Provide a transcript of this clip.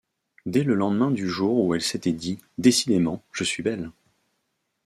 Dès le lendemain du jour où elle s’était dit: Décidément, je suis belle!